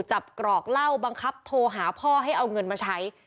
กรอกเหล้าบังคับโทรหาพ่อให้เอาเงินมาใช้